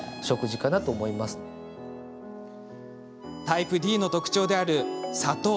タイプＤの特徴である砂糖。